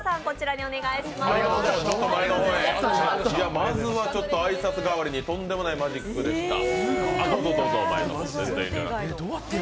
まずはちょっと挨拶がわりにとんでもないマジックでした。